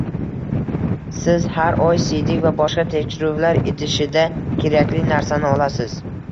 Siz har oy siydik va boshqa tekshiruvlar idishida kerakli narsani olasiz